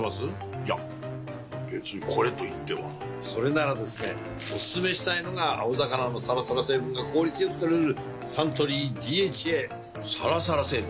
いや別にこれといってはそれならですねおすすめしたいのが青魚のサラサラ成分が効率良く摂れるサントリー「ＤＨＡ」サラサラ成分？